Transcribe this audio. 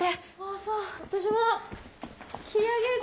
あそう私も切り上げるか。